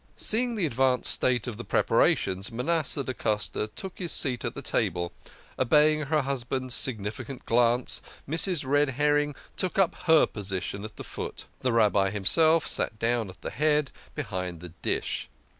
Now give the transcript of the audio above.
Seeing the advanced state of the preparations, Manasseh da Costa took his seat at the table ; obeying her husband's significant glance, Mrs. Red herring took 'up her position at the foot. The Rabbi himself sat down at the head, behind the dish.